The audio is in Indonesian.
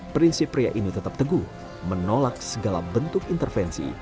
prinsip pria ini tetap teguh menolak segala bentuk intervensi